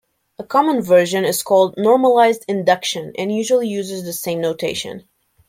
A common version is called normalized induction and usually uses the same notation.